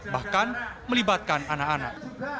bahkan melibatkan anak anak